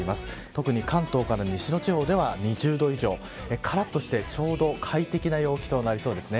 特に関東から西の地方では２０度以上からっとして快適な陽気になりそうです。